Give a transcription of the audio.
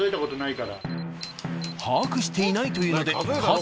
把握していないというので大変。